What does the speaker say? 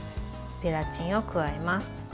ゼラチンを加えます。